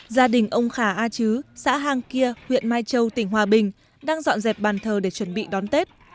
gia đình ông khà a chứ xã hang kia huyện mai châu tỉnh hòa bình đang dọn dẹp bàn thờ để chuẩn bị đón tết